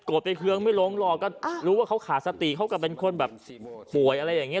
ไปเครื่องไม่ลงหรอกก็รู้ว่าเขาขาดสติเขาก็เป็นคนแบบป่วยอะไรอย่างนี้